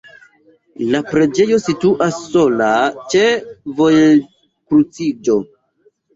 La preĝejo situas sola ĉe vojkruciĝo.